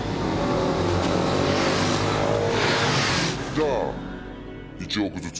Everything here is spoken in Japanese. じゃあ１億ずつ。